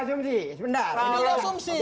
cuma itu ada asumsi